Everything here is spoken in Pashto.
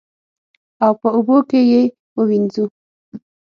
او په اوبو کې یې ووینځو.